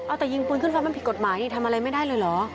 เอาแต่ยิงปืนขึ้นฟ้ามันผิดกฎหมายนี่ทำอะไรไม่ได้เลยเหรอ